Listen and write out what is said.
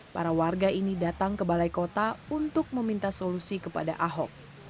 para warga ini datang ke balai kota untuk meminta solusi kepada ahok